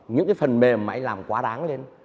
những cái phần mềm mà anh làm quá đáng lên